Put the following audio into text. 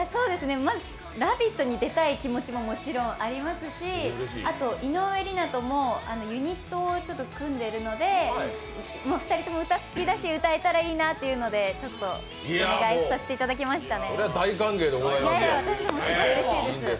まず「ラヴィット！」に出たい気持ちももちろんありますしあと、井上梨名ともユニットを組んでいるので、２人とも歌好きだし、歌えたらいいなというので、ちょっとお願いさせていただきましたね。